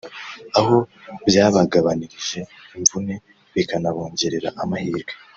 aho byabagabanirije imvune bikanabongerera amahirwe